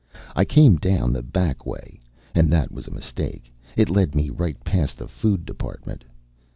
I came down the back way, and that was a mistake. It led me right past the food department.